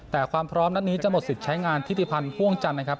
แต่ความพร้อมนัดนี้จะหมดสิทธิ์ใช้งานธิติพันธ์พ่วงจันทร์นะครับ